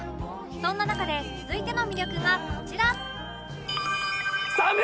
そんな中で続いての魅力がこちら